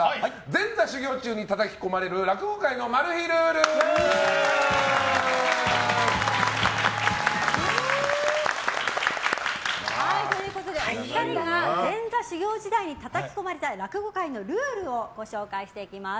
前座修業中にたたき込まれる落語界のマル秘ルール！ということでお二人が前座修業時代にたたき込まれた落語界のルールをご紹介していきます。